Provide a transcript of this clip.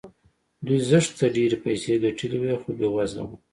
دوی زښته ډېرې پيسې ګټلې وې خو بې وزله وو.